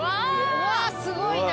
うわーすごいな！